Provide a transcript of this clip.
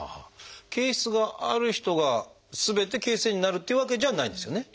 憩室がある人がすべて憩室炎になるっていうわけじゃないんですよね？